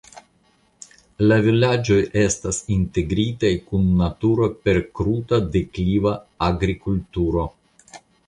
La vilaĝoj estas integritaj kun naturo per kruta dekliva agrikulturo.